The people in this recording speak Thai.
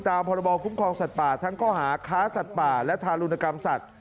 พรบคุ้มครองสัตว์ป่าทั้งข้อหาค้าสัตว์ป่าและทารุณกรรมสัตว